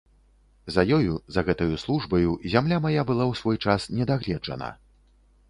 За ёю, за гэтаю службаю, зямля мая была ў свой час не дагледжана.